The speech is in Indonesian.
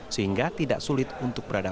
sehingga tidak sulit untuk berada